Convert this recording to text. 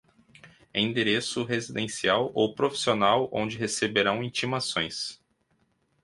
endereço residencial ou profissional onde receberão intimações